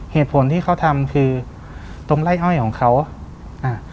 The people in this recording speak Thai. เหตุผลที่เขาทำคือตรงไล่อ้อยของเขาอ่า